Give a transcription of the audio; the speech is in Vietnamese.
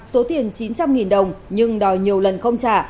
số tiền chín trăm linh đồng nhưng đòi nhiều lần không trả